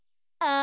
あ！